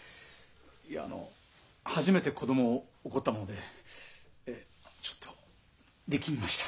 いやあの初めて子供を怒ったものでちょっと力みました。